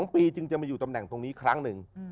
๒ปีจึงจะมาอยู่ตำแหน่งตรงนี้ครั้งหนึ่ง